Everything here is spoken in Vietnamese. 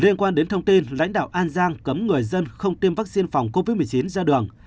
liên quan đến thông tin lãnh đạo an giang cấm người dân không tiêm vaccine phòng covid một mươi chín ra đường